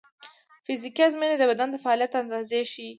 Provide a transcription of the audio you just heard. فزیکي ازموینې د بدن د فعالیت اندازه ښيي.